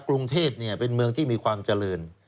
กรุงเทพเป็นเมืองที่มีความเจริญ